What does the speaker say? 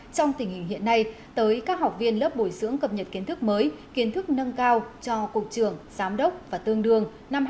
trong tình hình hiện nay tới các học viên lớp bồi dưỡng cập nhật kiến thức mới kiến thức nâng cao cho cục trưởng giám đốc và tương đương năm hai nghìn một mươi bốn